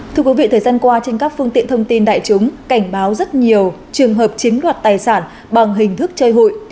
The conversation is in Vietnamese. thưa quý vị thời gian qua trên các phương tiện thông tin đại chúng cảnh báo rất nhiều trường hợp chiếm đoạt tài sản bằng hình thức chơi hụi